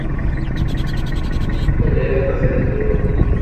Ambos países son parte de las Naciones Unidas.